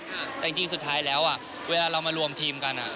อ่ะแต่จริงจริงสุดท้ายแล้วอ่ะเวลาเรามารวมทีมกันอ่ะ